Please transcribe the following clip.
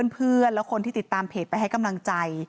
เพื่อนและคนที่ติดตามเพจไปให้กำลังใจ